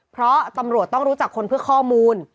เพราะตำรวจต้องรู้จักคนเพื่อข้อมูล